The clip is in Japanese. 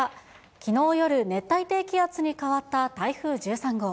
きのう夜、熱帯低気圧に変わった台風１３号。